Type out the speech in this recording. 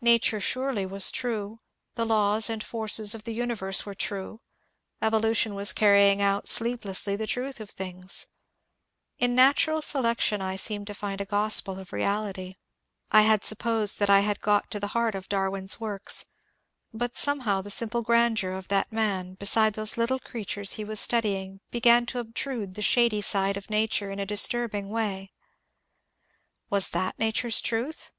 Nature surely was true ; the laws and forces of the universe were true, evolution was carrying out sleeplessly the truth of things* In Natural Selection I seemed to find a gospel of reality* I had supposed that I had got to the heart of Darwin's works, but somehow the simple grandeur of that man beside those little creatures he was studying be gan to obtrude the shady side of nature in a disturbing way. Was that nature's truth